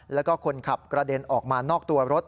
แล้วก็คนขับกระเด็นออกมานอกตัวรถ